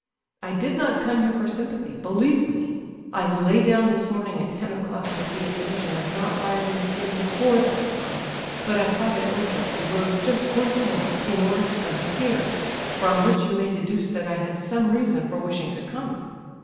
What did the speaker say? I did not come here for sympathy, believe me. I lay down this morning at ten o'clock with the intention of not rising again before that time; but I thought it over and rose just once more in order to come here; from which you may deduce that I had some reason for wishing to come."